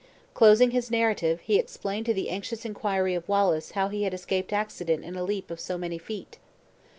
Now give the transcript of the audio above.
Closing his narrative, he explained to the anxious inquiry of Wallace how he had escaped accident in a leap of so many feet.